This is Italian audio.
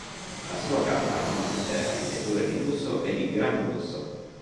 La sua gamma consisteva in vetture di lusso e di gran lusso.